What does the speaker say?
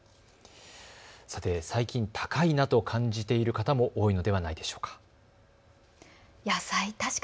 最近、高いなと感じる方も多いのではないでしょうか。